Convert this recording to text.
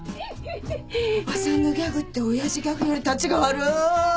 おばさんのギャグって親父ギャグよりたちが悪い。